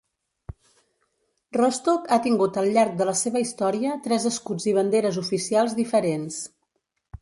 Rostock ha tingut al llarg de la seva història tres escuts i banderes oficials diferents.